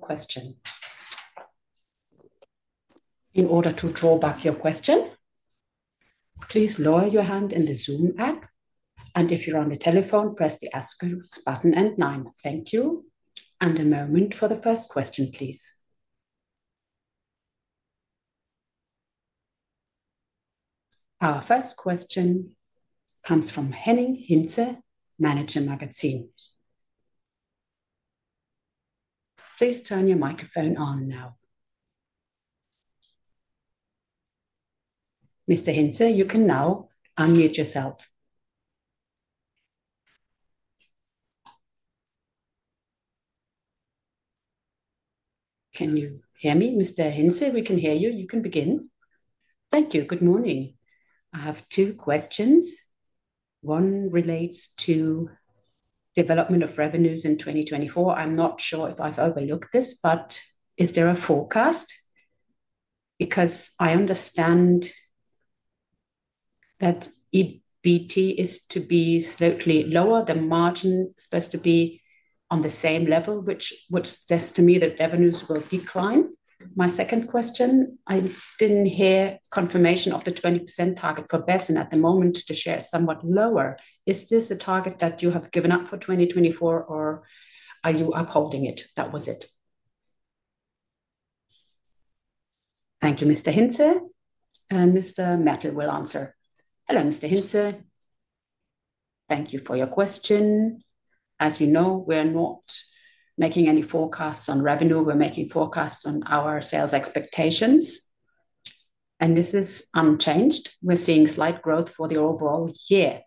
Question. In order to draw back your question, please lower your hand in the Zoom app, and if you're on the telephone, press the asterisk button and nine. Thank you. A moment for the first question, please. Our first question comes from Henning Hintze, Manager Magazin. Please turn your microphone on now. Mr. Hintze, you can now unmute yourself. Can you hear me? Mr. Hintze, we can hear you. You can begin. Thank you. Good morning. I have two questions. One relates to development of revenues in 2024. I'm not sure if I've overlooked this, but is there a forecast? Because I understand that EBT is to be slightly lower, the margin is supposed to be on the same level, which suggests to me that revenues will decline. My second question, I didn't hear confirmation of the 20% target for BEVs, and at the moment the share is somewhat lower. Is this a target that you have given up for 2024, or are you upholding it? That was it. Thank you, Mr. Hintze. Mr. Mertl will answer. Hello, Mr. Hinze. Thank you for your question. As you know, we're not making any forecasts on revenue. We're making forecasts on our sales expectations. This is unchanged. We're seeing slight growth for the overall year.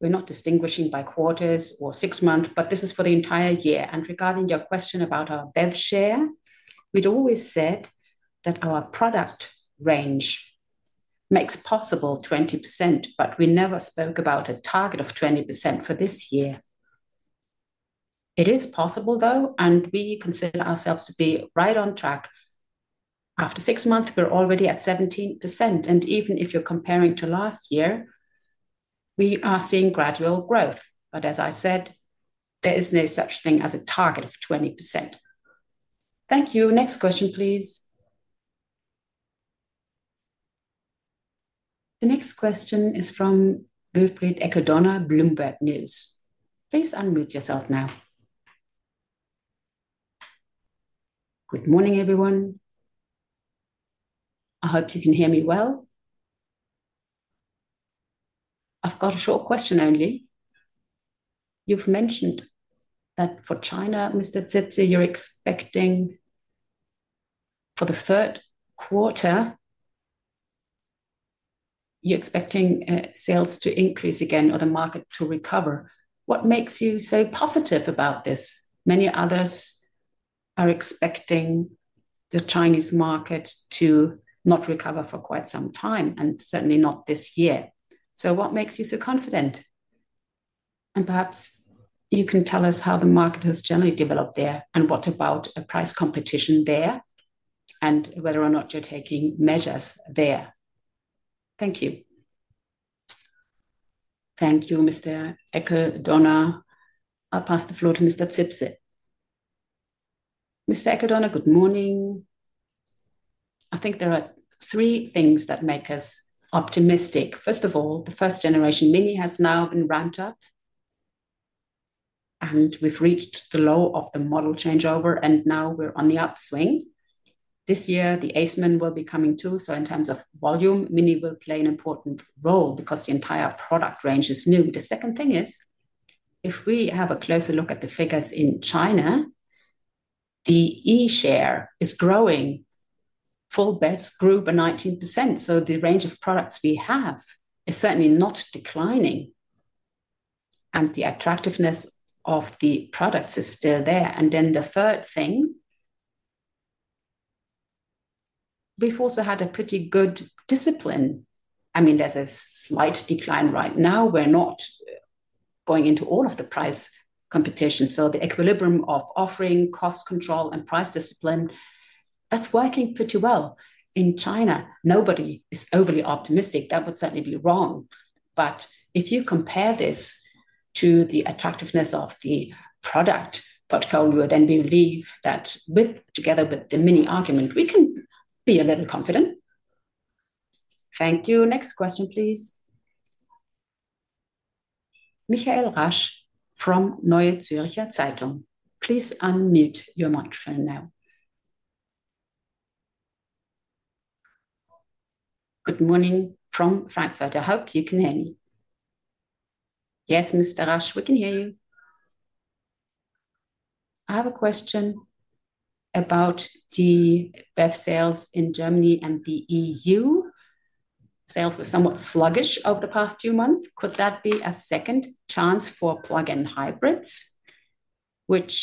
We're not distinguishing by quarters or six months, but this is for the entire year. Regarding your question about our BEV share, we'd always said that our product range makes possible 20%, but we never spoke about a target of 20% for this year. It is possible, though, and we consider ourselves to be right on track. After six months, we're already at 17%. And even if you're comparing to last year, we are seeing gradual growth. But as I said, there is no such thing as a target of 20%. Thank you. Next question, please. The next question is from Wilfried Eckl-Dorna, Bloomberg News. Please unmute yourself now. Good morning, everyone. I hope you can hear me well. I've got a short question only. You've mentioned that for China, Mr. Zipse, you're expecting for the third quarter, you're expecting sales to increase again or the market to recover. What makes you so positive about this? Many others are expecting the Chinese market to not recover for quite some time, and certainly not this year. So what makes you so confident? Perhaps you can tell us how the market has generally developed there and what about price competition there and whether or not you're taking measures there. Thank you. Thank you, Mr. Eckl-Dorna. I'll pass the floor to Mr. Zipse. Mr. Eckl-Dorna, good morning. I think there are three things that make us optimistic. First of all, the first-generation MINI has now been ramped up, and we've reached the low of the model changeover, and now we're on the upswing. This year, the Aceman will be coming too, so in terms of volume, MINI will play an important role because the entire product range is new. The second thing is, if we have a closer look at the figures in China, the E-share is growing. Full BEVs grew by 19%, so the range of products we have is certainly not declining, and the attractiveness of the products is still there. And then the third thing, we've also had a pretty good discipline. I mean, there's a slight decline right now. We're not going into all of the price competition, so the equilibrium of offering, cost control, and price discipline, that's working pretty well in China. Nobody is overly optimistic. That would certainly be wrong. But if you compare this to the attractiveness of the product portfolio, then we believe that together with the MINI argument, we can be a little confident. Thank you. Next question, please. Michael Rasch from Neue Zürcher Zeitung. Please unmute your microphone now. Good morning from Frankfurt. I hope you can hear me. Yes, Mr. Rasch, we can hear you. I have a question about the BEVs sales in Germany and the EU. Sales were somewhat sluggish over the past few months. Could that be a second chance for plug-in hybrids, which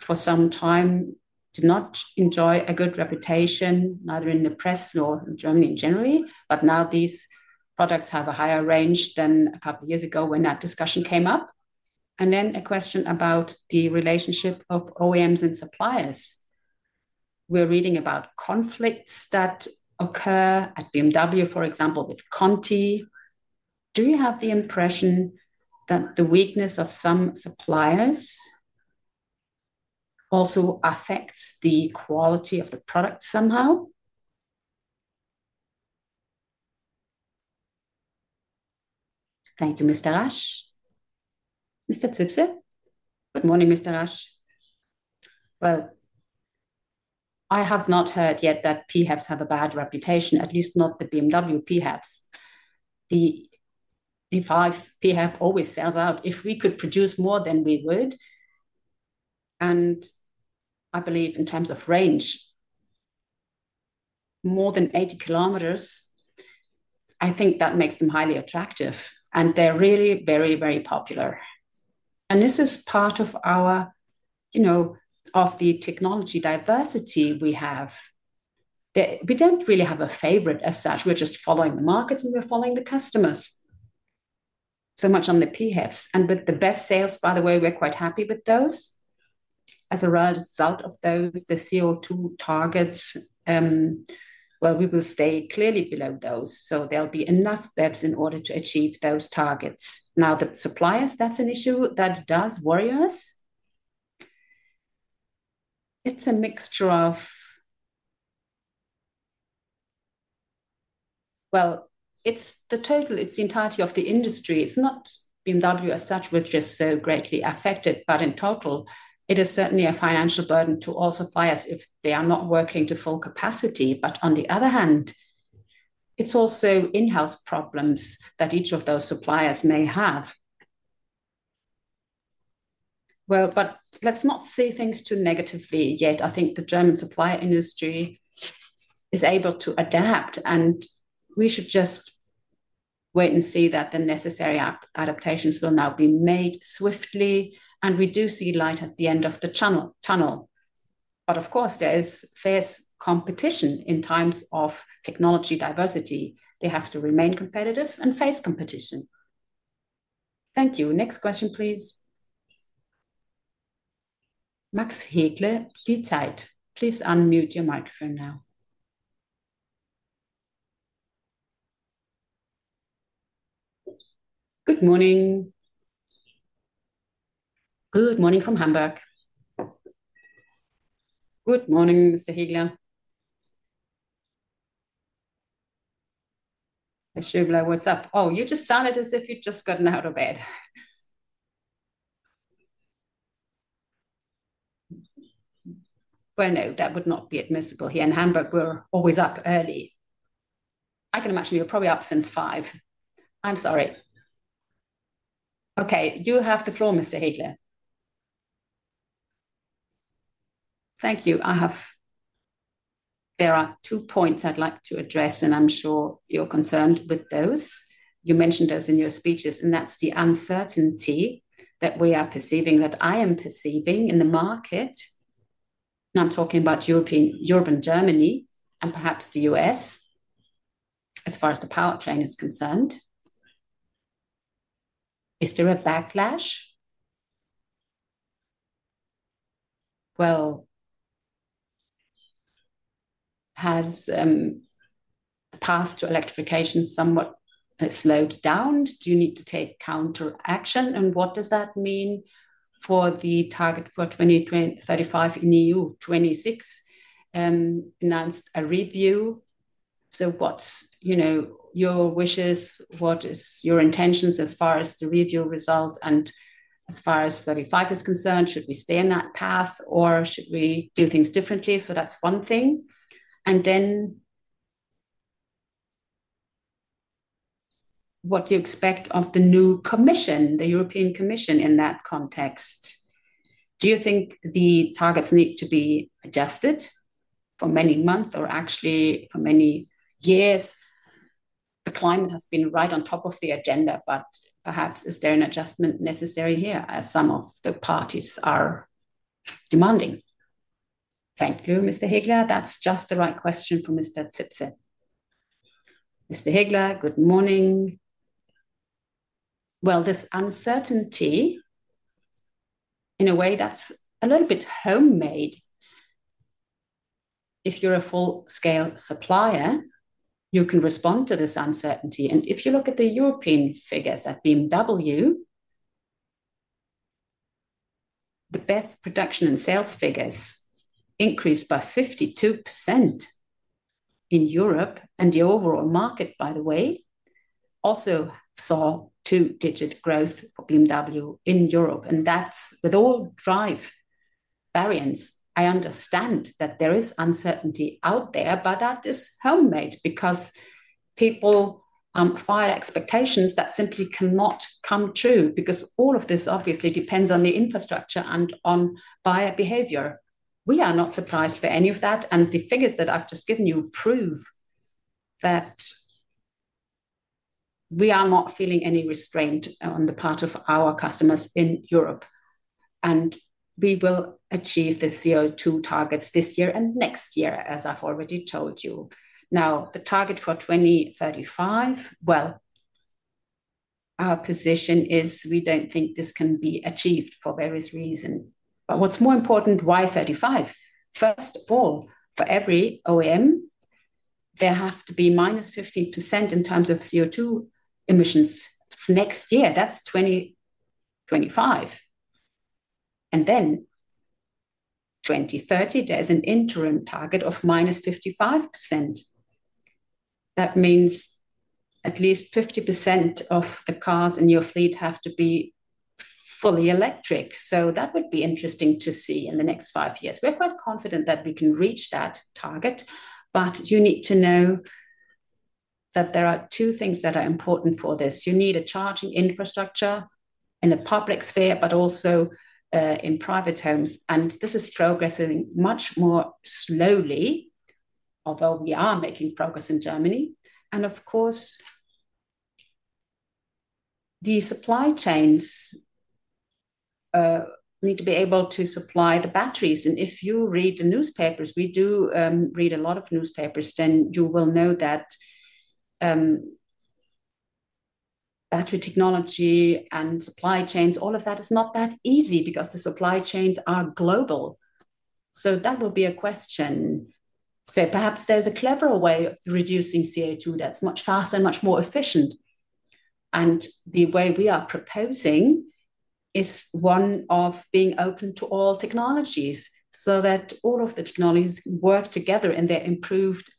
for some time did not enjoy a good reputation, neither in the press nor in Germany generally? But now these products have a higher range than a couple of years ago when that discussion came up. And then a question about the relationship of OEMs and suppliers. We're reading about conflicts that occur at BMW, for example, with Conti. Do you have the impression that the weakness of some suppliers also affects the quality of the product somehow? Thank you, Mr. Rasch. Mr. Zipse, good morning, Mr. Rasch. Well, I have not heard yet that PHEVs have a bad reputation, at least not the BMW PHEVs. The e5 PHEV always sells out. If we could produce more than we would, and I believe in terms of range, more than 80 kilometers, I think that makes them highly attractive, and they're really very, very popular. And this is part of our technology diversity we have. We don't really have a favorite as such. We're just following the markets, and we're following the customers. So much on the PHEVs. And with the BEVs sales, by the way, we're quite happy with those. As a result of those, the CO2 targets, well, we will stay clearly below those, so there'll be enough BEVs in order to achieve those targets. Now, the suppliers, that's an issue that does worry us. It's a mixture of, well, it's the total, it's the entirety of the industry. It's not BMW as such; we're just so greatly affected, but in total, it is certainly a financial burden to all suppliers if they are not working to full capacity. But on the other hand, it's also in-house problems that each of those suppliers may have. Well, but let's not see things too negatively yet. I think the German supply industry is able to adapt, and we should just wait and see that the necessary adaptations will now be made swiftly, and we do see light at the end of the tunnel. But of course, there is fierce competition in times of technology diversity. They have to remain competitive and face competition. Thank you. Next question, please. Max Hägler, Die Zeit. Please unmute your microphone now. Good morning. Good morning from Hamburg. Good morning, Mr. Hägler. Mr. Schöberl, what's up? Oh, you just sounded as if you'd just gotten out of bed. Well, no, that would not be admissible here in Hamburg. We're always up early. I can imagine you're probably up since five. I'm sorry. Okay, you have the floor, Mr. Hägler. Thank you. There are two points I'd like to address, and I'm sure you're concerned with those. You mentioned those in your speeches, and that's the uncertainty that we are perceiving, that I am perceiving in the market. And I'm talking about Europe and Germany and perhaps the US as far as the powertrain is concerned. Is there a backlash? Well, has the path to electrification somewhat slowed down? Do you need to take counteraction? And what does that mean for the target for 2035 in EU? 2026 announced a review. So what's your wishes? What are your intentions as far as the review result and as far as 2025 is concerned? Should we stay in that path, or should we do things differently? So that's one thing. And then what do you expect of the new commission, the European Commission in that context? Do you think the targets need to be adjusted for many months or actually for many years? The climate has been right on top of the agenda, but perhaps is there an adjustment necessary here as some of the parties are demanding? Thank you, Mr. Hägler. That's just the right question for Mr. Zipse. Mr. Hägler, good morning. Well, this uncertainty, in a way, that's a little bit homemade. If you're a full-scale supplier, you can respond to this uncertainty. And if you look at the European figures at BMW, the BEVs production and sales figures increased by 52% in Europe. The overall market, by the way, also saw two-digit growth for BMW in Europe. That's with all drive variants. I understand that there is uncertainty out there, but that is homemade because people fire expectations that simply cannot come true because all of this obviously depends on the infrastructure and on buyer behavior. We are not surprised by any of that. The figures that I've just given you prove that we are not feeling any restraint on the part of our customers in Europe. We will achieve the CO2 targets this year and next year, as I've already told you. Now, the target for 2035, well, our position is we don't think this can be achieved for various reasons. What's more important, why 2035? First of all, for every OEM, there has to be -15% in terms of CO2 emissions next year. That's 2025. Then 2030, there's an interim target of -55%. That means at least 50% of the cars in your fleet have to be fully electric. So that would be interesting to see in the next five years. We're quite confident that we can reach that target, but you need to know that there are two things that are important for this. You need a charging infrastructure in the public sphere, but also in private homes. This is progressing much more slowly, although we are making progress in Germany. And of course, the supply chains need to be able to supply the batteries. If you read the newspapers, we do read a lot of newspapers, then you will know that battery technology and supply chains, all of that is not that easy because the supply chains are global. So that will be a question. So perhaps there's a clever way of reducing CO2 that's much faster and much more efficient. And the way we are proposing is one of being open to all technologies so that all of the technologies work together in their improved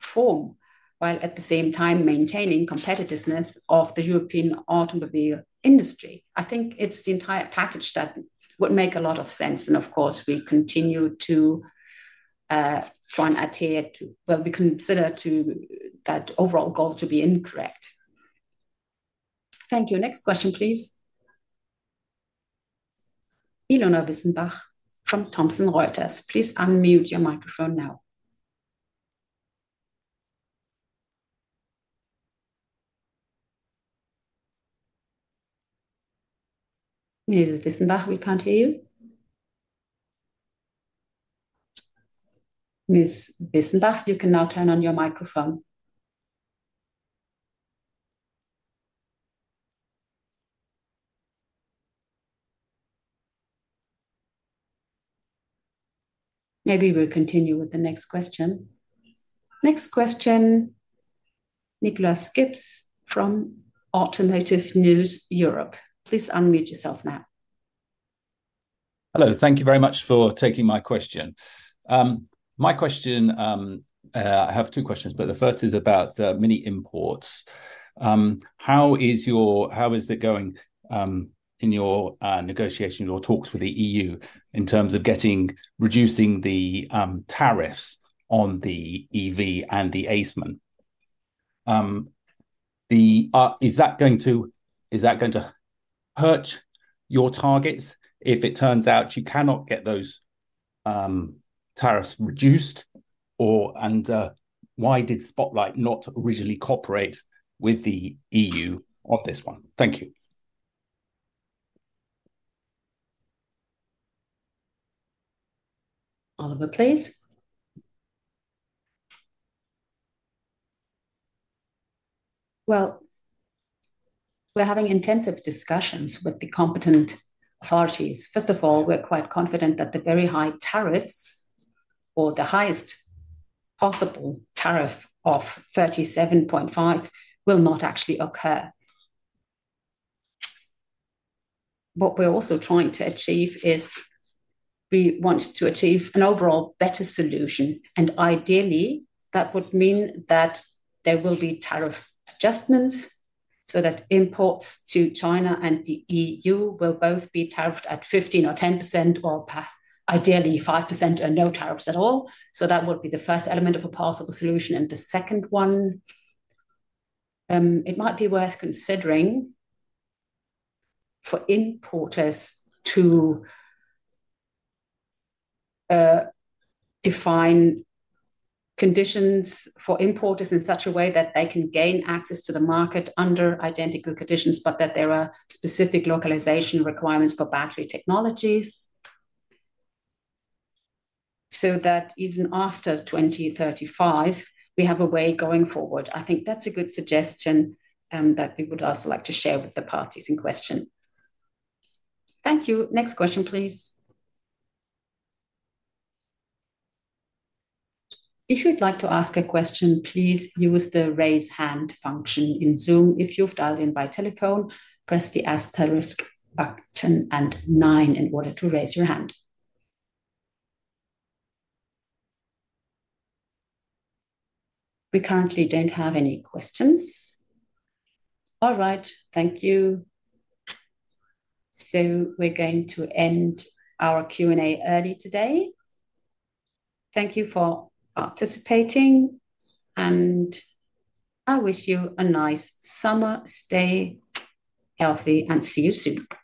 form, while at the same time maintaining competitiveness of the European automobile industry. I think it's the entire package that would make a lot of sense. And of course, we continue to try and adhere to, well, we consider that overall goal to be incorrect. Thank you. Next question, please. Ilona Wissenbach from Thomson Reuters. Please unmute your microphone now. Ms. Wissenbach, we can't hear you. Ms. Wissenbach, you can now turn on your microphone. Maybe we'll continue with the next question. Next question, Nick Gibbs from Automotive News Europe. Please unmute yourself now. Hello. Thank you very much for taking my question. My question, I have two questions, but the first is about MINI imports. How is it going in your negotiation, your talks with the EU in terms of reducing the tariffs on the EV and the Aceman? Is that going to hurt your targets if it turns out you cannot get those tariffs reduced? And why did Spotlight not originally cooperate with the EU on this one? Thank you. Oliver, please. Well, we're having intensive discussions with the competent authorities. First of all, we're quite confident that the very high tariffs or the highest possible tariff of 37.5 will not actually occur. What we're also trying to achieve is we want to achieve an overall better solution. And ideally, that would mean that there will be tariff adjustments so that imports to China and the EU will both be tariffed at 15% or 10% or ideally 5% or no tariffs at all. So that would be the first element of a possible solution. And the second one, it might be worth considering for importers to define conditions for importers in such a way that they can gain access to the market under identical conditions, but that there are specific localization requirements for battery technologies so that even after 2035, we have a way going forward. I think that's a good suggestion that we would also like to share with the parties in question. Thank you. Next question, please. If you'd like to ask a question, please use the raise hand function in Zoom. If you've dialed in by telephone, press the asterisk button and nine in order to raise your hand. We currently don't have any questions. All right. Thank you. So we're going to end our Q&A early today. Thank you for participating, and I wish you a nice summer. Stay healthy and see you soon.